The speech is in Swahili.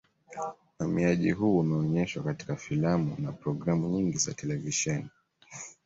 Uhamiaji huu umeonyeshwa katika filamu na programu nyingi za televisheni